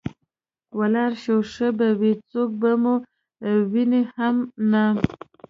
ولاړ شو ښه به وي، څوک به مو ویني هم نه.